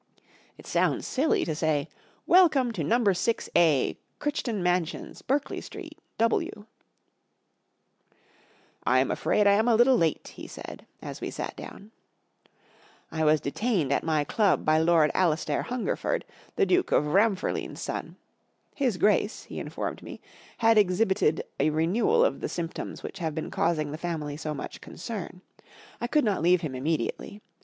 It sounds silly to say 11 Welcome to Number 6 a* Crichton Mansions, Berkeley Street, W/* " I am afraid l am a little late/' he said* as we sat down, " I was detained at my club by Lord Alastair Huugerford* the Duke of Ramfurliue's son, Iiis Grace, he informed me, had exhibited a renewal of the symptoms which have been causing the family so much concern, I could not leave him immediately.